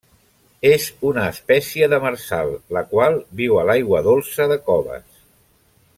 És una espècie demersal, la qual viu a l'aigua dolça de coves.